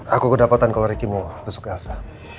aku kedapatan kalau riki mau besok elsa